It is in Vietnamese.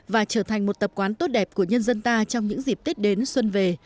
và trở thành một tập quán tốt đẹp của nhân dân ta trong những dịp tết đến xuân về